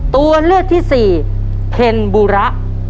ตัวเลือกที่สี่เพลบุระ